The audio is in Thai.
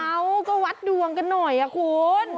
เขาก็วัดดวงกันหน่อยคุณ